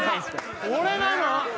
俺なの？